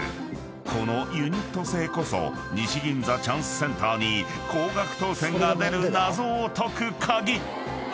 ［このユニット制こそ西銀座チャンスセンターに高額当せんが出る謎を解く鍵］